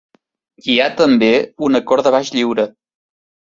Hi ha també un acord de baix lliure.